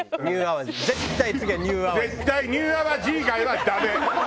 絶対ニューアワジ以外はダメ！